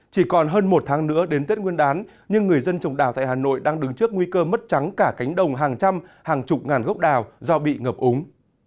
chỉ còn hơn một tháng nữa đến tết nguyên đán nhưng người dân trồng đào tại hà nội đang đứng trước nguy cơ mất trắng cả cánh đồng hàng trăm hàng chục ngàn gốc đào do bị ngập úng